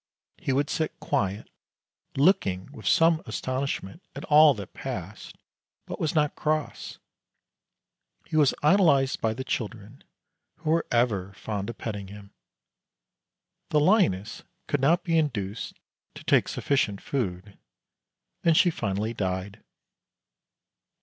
He would sit quiet, looking with some astonishment at all that passed, but was not cross. He was idolized by the children, who were ever fond of petting him. The lioness could not be induced to take sufficient food, and she finally died.